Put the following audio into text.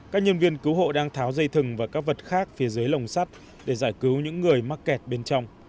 các nhân viên cứu hộ đang tháo dây thừng và các vật khác phía dưới lồng sắt để giải cứu những người mắc kẹt bên trong